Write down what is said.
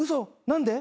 何で？